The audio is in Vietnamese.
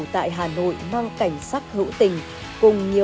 tại hà nội mang cảnh sắc hữu